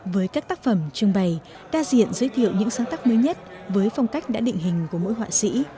với các tác phẩm trưng bày đa diện giới thiệu những sáng tác mới nhất với phong cách đã định hình của mỗi họa sĩ